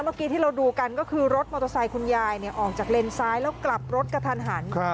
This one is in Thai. เมื่อกี้ที่เราดูกันก็คือรถมอเตอร์ไซค์คุณยายออกจากเลนซ้ายแล้วกลับรถกระทันหัน